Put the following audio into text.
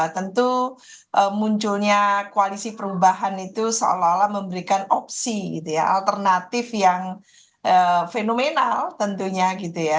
tentu munculnya koalisi perubahan itu seolah olah memberikan opsi gitu ya alternatif yang fenomenal tentunya gitu ya